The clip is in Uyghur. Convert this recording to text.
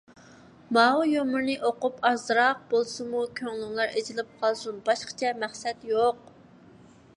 ماۋۇ يۇمۇرنى ئوقۇپ، ئازراق بولسىمۇ كۆڭلۈڭلار ئېچىلىپ قالسۇن. باشقىچە مەقسەت يوق.